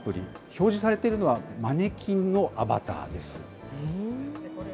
表示されているのは、マネキンのアバターです。